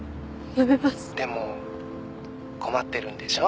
「でも困ってるんでしょ？